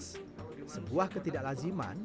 sebuah ketidak laziman